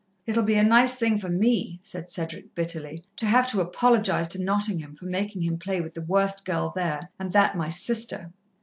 "It'll be a nice thing for me," said Cedric bitterly, "to have to apologize to Nottingham for making him play with the worst girl there, and that my sister."